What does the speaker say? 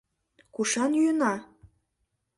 Кушан йӱына?